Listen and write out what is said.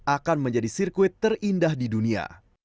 akan menjadi sirkuit terindah di dunia